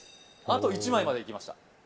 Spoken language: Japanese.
あと１枚までいきました